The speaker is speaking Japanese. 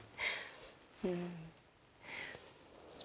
うん。